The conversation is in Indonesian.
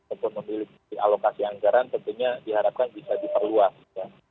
untuk memiliki alokasi anggaran tentunya diharapkan bisa diperluas ya